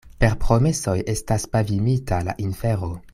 Per promesoj estas pavimita la infero.